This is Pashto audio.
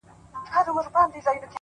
• بخت دي تور عقل کوټه دی خدای لیدلی,